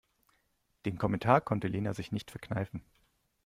Den Kommentar konnte Lena sich nicht verkneifen.